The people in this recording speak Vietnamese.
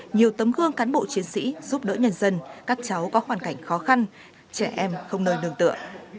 nhiều tấm gương cán bộ chiến sĩ giúp đỡ nhân dân các cháu có hoàn cảnh khó khăn trẻ em không nơi nương tựa